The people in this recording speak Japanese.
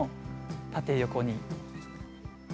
縦横に。